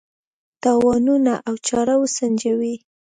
تاوانونه او چاره وسنجوي.